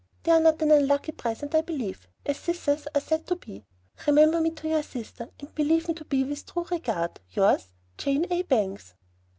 They are not an unlucky present, I believe, as scissors are said to be. Remember me to your sister, and believe me to be with true regard, Yours, JANE A. BANGS.